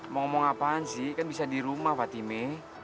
mau ngomong apaan sih kan bisa di rumah fatime